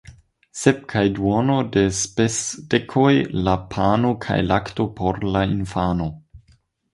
Sep kaj duono da spesdekoj la pano kaj lakto por la infano!